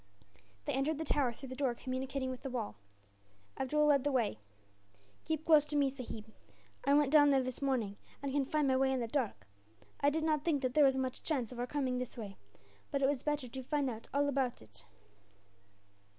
They entered the tower through the door communicating with the wall. Abdool led the way. "Keep close to me, sahib. I went down here this morning, and can find my way in the dark. I did not think that there was much chance of our coming this way, but it was better to find out all about it."